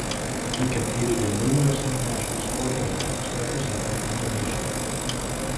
He competed in numerous international sporting events representing Indonesia.